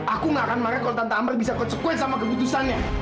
aku nggak akan marah kalau tante ambar bisa kocok gue sama keputusannya